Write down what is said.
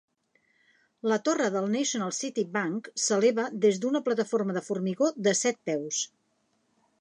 La torre del National City Bank s'eleva des de una plataforma de formigó de set peus.